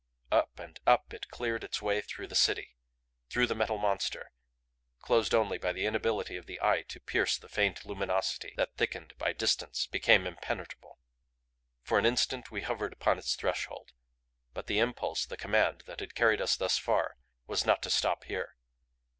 Up and up it cleared its way through the City through the Metal Monster closed only by the inability of the eye to pierce the faint luminosity that thickened by distance became impenetrable. For an instant we hovered upon its threshold. But the impulse, the command, that had carried us thus far was not to stop here.